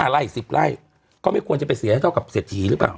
๕ไร่๑๐ไร่ก็ไม่ควรจะเป็นเสียเท่ากับเสร็จถีหรือเปล่า